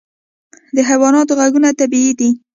د حیواناتو غږونه طبیعي دي.